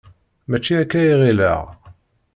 Mačči akka i ɣileɣ.